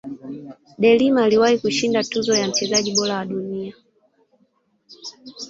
delima aliwahi kushinda tuzo ya mchezaji bora wa dunia